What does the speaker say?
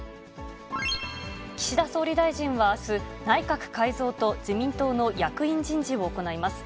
岸田総理大臣はあす、内閣改造と自民党の役員人事を行います。